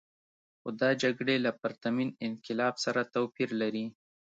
خو دا جګړې له پرتمین انقلاب سره توپیر لري.